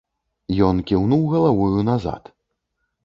Ён кіўнуў галавою назад.